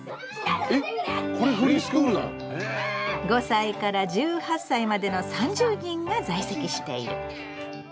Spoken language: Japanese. ５歳から１８歳までの３０人が在籍している。